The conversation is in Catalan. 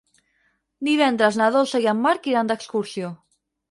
Divendres na Dolça i en Marc iran d'excursió.